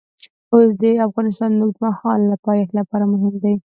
اوښ د افغانستان د اوږدمهاله پایښت لپاره مهم دی.